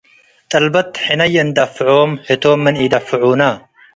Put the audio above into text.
ጥልበት፡ ሕነ ይንደፍዖም፡ ህቶም ምንዲ ኢደፍዑነ